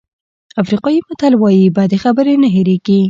افریقایي متل وایي بدې خبرې نه هېرېږي.